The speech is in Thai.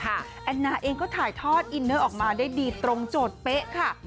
แอนนาเองก็ถ่ายทอดอินเนอร์ออกมาได้ดีตรงโจทย์เป๊ะค่ะ